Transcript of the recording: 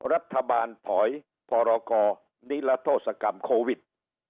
รัฐบาลถอยพรกรนิรัทธศกรรมโควิด